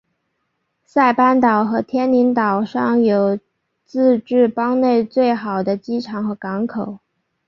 塞班岛和天宁岛上有自治邦内最好的机场和港口。